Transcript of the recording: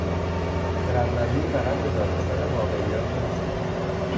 خردمندی فقط به دانستن واقعیات نیست.